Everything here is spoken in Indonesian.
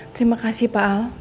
terima kasih pak al